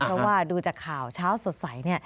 เพราะว่าดูจากข่าวเช้าสดใส